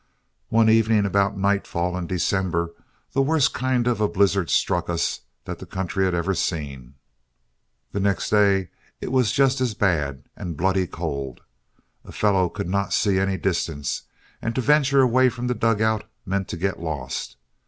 One evening about nightfall in December, the worst kind of a blizzard struck us that the country had ever seen. The next day it was just as bad, and BLOODY cold. A fellow could not see any distance, and to venture away from the dugout meant to get lost.